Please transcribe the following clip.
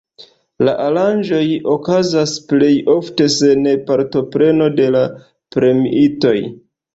La aranĝoj okazas plej ofte sen partopreno de la premiitoj.